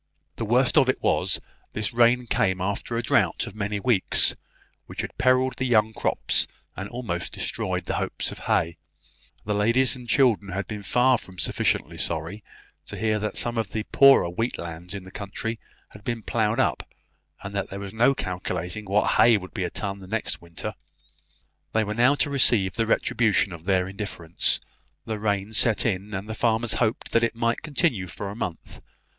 The worst of it was, this rain came after a drought of many weeks, which had perilled the young crops, and almost destroyed the hopes of hay; the ladies and children had been far from sufficiently sorry to hear that some of the poorer wheat lands in the county had been ploughed up, and that there was no calculating what hay would be a ton the next winter. They were now to receive the retribution of their indifference; rain had set in, and the farmers hoped that it might continue for a month.